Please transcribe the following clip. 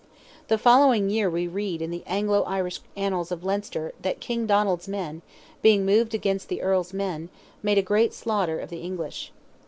The following year we read in the Anglo Irish Annals of Leinster, that King Donald's men, being moved against the Earl's men, made a great slaughter of English.